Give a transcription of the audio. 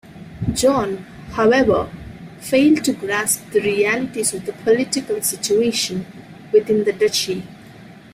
John, however, failed to grasp the realities of the political situation within the duchy.